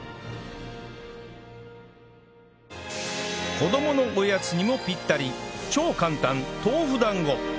子供のおやつにもピッタリ超簡単豆腐団子